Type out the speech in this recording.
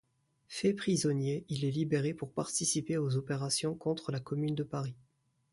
Fait prisonnier, il est libéré pour participer aux opérations contre la Commune de Paris.